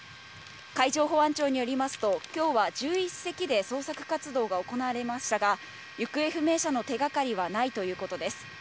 海上保安庁によりますと、きょうは１１隻で捜索活動が行われましたが、行方不明者の手がかりはないということです。